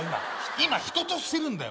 今今人としてるんだよ